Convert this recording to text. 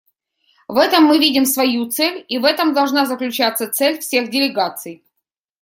В этом мы видим свою цель и в этом должна заключаться цель всех делегаций.